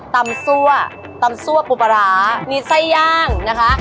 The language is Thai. ตำซั่วตำซั่วปูปะลามีไส้ย่างนะคะ